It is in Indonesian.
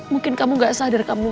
mungkin kamu gak sadar kamu